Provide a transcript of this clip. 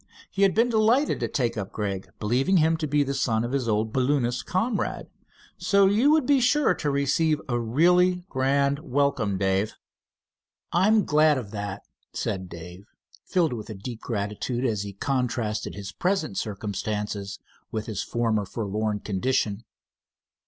He had been delighted to take up Gregg, believing him to be the son of his old balloonist comrade, so you would, be sure to receive a really grand welcome, Dave." "I'm glad of that," said Dave, filled with deep gratitude as he contrasted his present circumstances with his former forlorn condition.